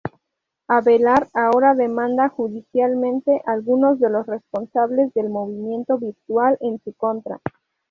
Avelar ahora demanda judicialmente algunos de los responsables del movimiento virtual en su contra.